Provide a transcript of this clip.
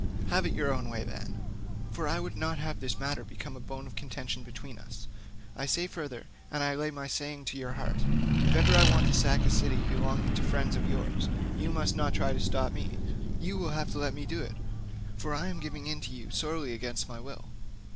Have it your own way then; for I would not have this matter become a bone of contention between us. I say further, and lay my saying to your heart, if ever I want to sack a city belonging to friends of yours, you must not try to stop me; you will have to let me do it, for I am giving in to you sorely against my will.